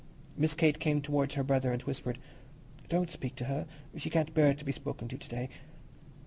Miss Kate came towards her brother and whispered, "Don't speak to her; she can't bear to be spoken to to day."